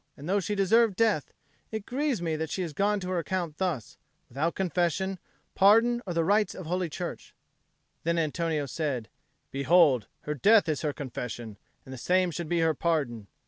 And though she deserved death, it grieves me that she is gone to her account thus, without confession, pardon, or the rites of Holy Church. Then Antonio said, "Behold, her death is her confession, and the same should be her pardon.